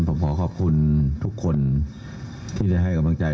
ผมขอขอบคุณทุกคนที่ได้ให้กำลังใจ